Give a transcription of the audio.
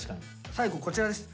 最後こちらです。